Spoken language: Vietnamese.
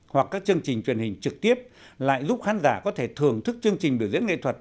hoặc các chương trình truyền hình trực tiếp lại giúp khán giả có thể thưởng thức chương trình biểu diễn nghệ thuật